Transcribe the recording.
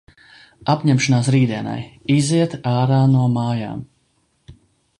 Apņemšanās rītdienai – iziet ārā no mājām.